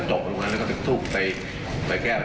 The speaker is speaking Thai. โอเคไหมมีใครถามด้วย